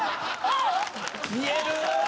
見える！